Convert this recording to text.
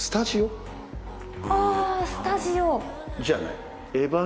あスタジオ。じゃない。